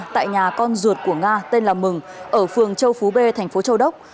tại nhà con ruột của nga tên là mừng ở phường châu phú b thành phố châu đốc